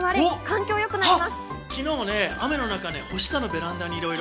昨日、雨の中、干したのベランダにいろいろ。